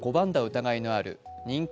疑いのある認可